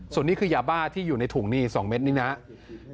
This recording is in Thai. ส่วนนี้คือยาบ้าที่อยู่ในถุงนี่๒เม็ดนี้นะครับ